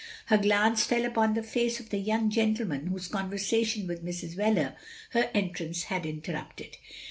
Her glance fell upon the face of the young gentleman whose conversation with Mrs. Wheler her entrance had interrupted.